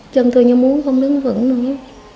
chân tôi như muốn không đứng vững nữa